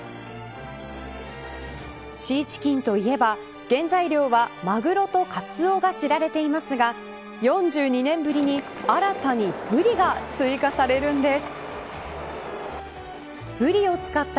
シーチキンといえば原材料はマグロとカツオが知られていますが４２年ぶりに新たにブリが追加されるんです。